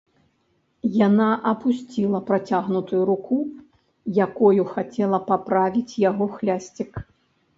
Яна апусціла працягнутую руку, якою хацела паправіць яго хлясцік.